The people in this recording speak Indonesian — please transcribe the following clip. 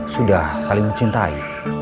sudah saling mencintai